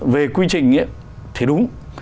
về quy trình thì đúng